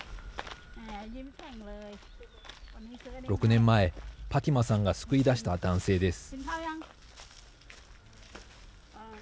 ６年前パティマさんが救い出した男性です。